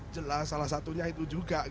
jelas salah satunya itu juga